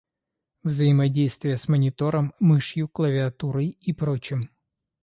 Взаимодействие с монитором, мышью, клавиатурой и прочим